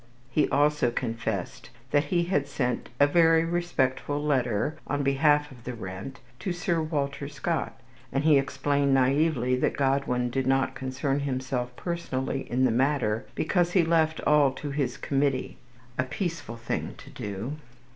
He also confessed that he had sent "a very respectful letter" on behalf of the rent to Sir Walter Scott; and he explained naively that Godwin did not concern himself personally in the matter, because he "left all to his Committee," a peaceful thing to do.